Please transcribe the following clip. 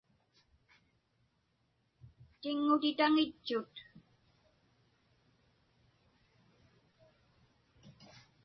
Tiŋŋutaŋitchut.